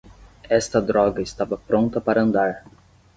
Esta droga estava pronta para andar.